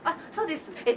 そうです。